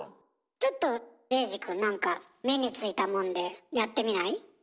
ちょっと衛二くんなんか目についたもんでやってみない？